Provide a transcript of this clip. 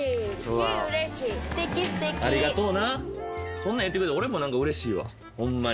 そんな言うてくれて俺もなんか嬉しいわホンマに。